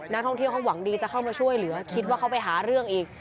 นักท่องเที่ยวเขาหวังดีจะเข้ามาช่วยเหลือคิดว่าเขาไปหาเรื่องอีก